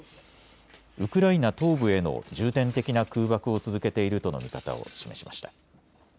ウクライナ東部への重点的な空爆を続けているとの見方を示しました。